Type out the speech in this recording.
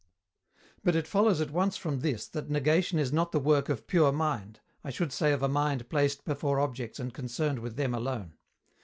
_ But it follows at once from this that negation is not the work of pure mind, I should say of a mind placed before objects and concerned with them alone.